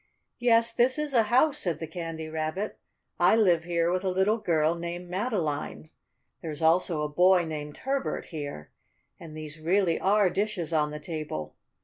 "Yes, this is a house," said the Candy Rabbit. "I live here with a little girl named Madeline. There is also a boy named Herbert here. And these really are dishes on the table.